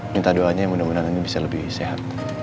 minta doanya mudah mudahan andin bisa lebih sehat